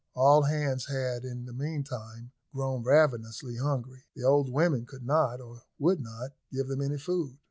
All hands had, in the meantime, grown ravenously hungry. The old women could not, or would not, give them any food.